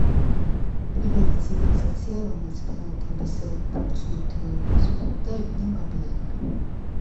პირველი ცივილიზაცია, რომელიც პლანეტების ფუნქციურ თეორიას ფლობდა, იყვნენ ბაბილონელები,